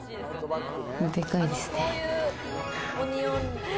でかいですね。